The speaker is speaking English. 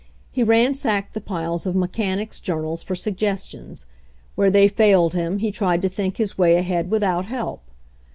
He ran sacked the piles of mechanics' journals for sug gestions ; where they failed him he tried to think his way ahead without help.